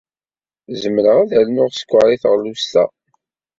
Zemreɣ ad rnuɣ sskeṛ i teɣlust-a.